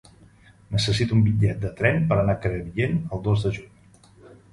Necessito un bitllet de tren per anar a Crevillent el dos de juny.